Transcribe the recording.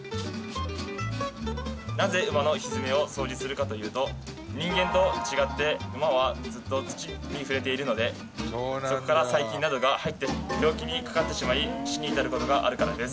なぜ馬のひづめを掃除するかというと人間と違って馬はずっと土に触れているのでそこから細菌などが入って病気にかかってしまい死に至る事があるからです。